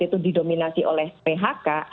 itu didominasi oleh phk